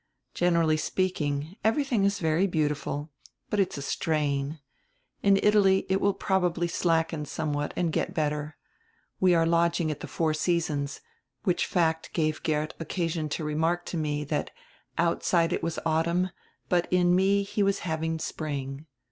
Generally speak ing, everything is very beautiful, but it's a strain. In Italy it will probably slacken somewhat and get better. We are lodging at die 'Four Seasons,' which fact gave Geert occasion to remark to me, that 'outside it was autumn, but in me he was having spring.'